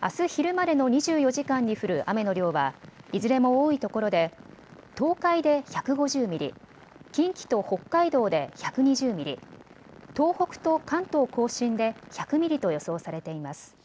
あす昼までの２４時間に降る雨の量はいずれも多いところで東海で１５０ミリ、近畿と北海道で１２０ミリ、東北と関東甲信で１００ミリと予想されています。